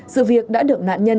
sự việc đã được nạn nhân